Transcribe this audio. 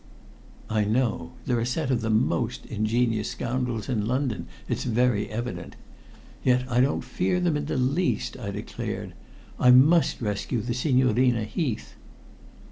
"I know. They're a set of the most ingenious scoundrels in London, it is very evident. Yet I don't fear them in the least," I declared. "I must rescue the Signorina Heath."